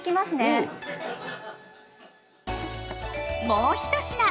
もう１品！